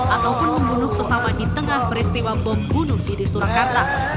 ataupun membunuh sesama di tengah peristiwa bom bunuh diri surakarta